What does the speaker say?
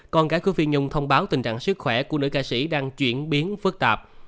con gái của phi nhung thông báo tình trạng sức khỏe của nữ ca sĩ đang chuyển biến phức tạp